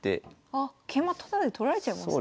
あっ桂馬タダで取られちゃいますね。